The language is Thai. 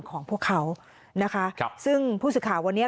ของพวกเขานะคะครับซึ่งผู้สื่อข่าววันนี้